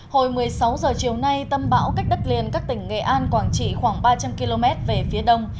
hồi một mươi sáu h chiều nay tâm bão cách đất liền các tỉnh nghệ an quảng trị khoảng ba trăm linh km về phía đông